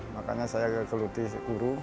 makanya saya kegeluti guru